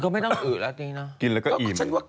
ก็ไม่ต้องอึกแล้วจริงเนอะ